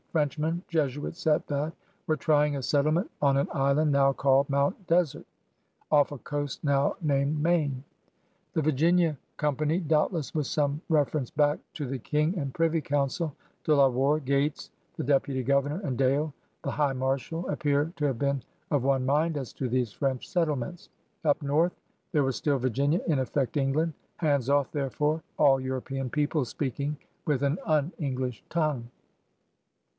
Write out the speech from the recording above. Frenchmen — Jesuits at that! — were trying a settlement on an island now called Mount Desert, off a coast now named Maine. The Virginia Com pany — doubtless with some reference back to the King and Privy Council — De La Warr, Gates, the d^uty governor, and Dale, the High Marshal, appear to have been of one mind as to these French settlements. Up north there was still Virginia — in effect, England ! Hands off, therefore, all Euro pean peoples speaking with an un English tongue!